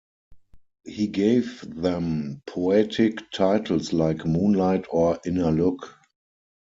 He gave them poetic titles like "Moonlight" or "Inner Look".